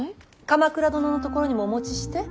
鎌倉殿のところにもお持ちして。